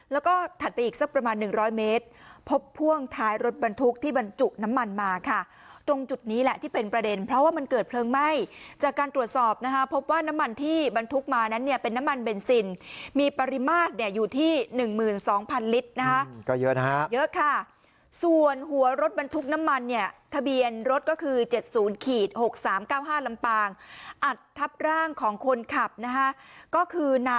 แล้วก็ถัดไปอีกสักประมาณ๑๐๐เมตรพบพ่วงท้ายรถบรรทุกที่บรรจุน้ำมันมาค่ะตรงจุดนี้แหละที่เป็นประเด็นเพราะว่ามันเกิดเพลิงไหม้จากการตรวจสอบนะฮะพบว่าน้ำมันที่บรรทุกมานั้นเนี่ยเป็นน้ำมันเบนซินมีปริมาตรอยู่ที่๑๒๐๐๐ลิตรนะฮะเยอะค่ะส่วนหัวรถบรรทุกน้ำมันเนี่ยทะเบียนรถก็ค